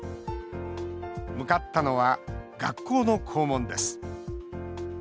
向かったのは学校の校門です。